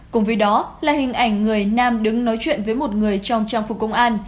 cùng với đó là hình ảnh người nam đứng nói chuyện với một người trong trang phục công an